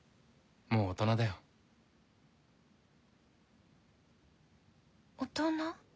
もう大人だよ大人？